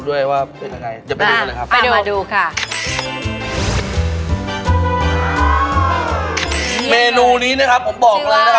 เหมาะสำหรับผู้ที่จะควบควมน้ำหนัก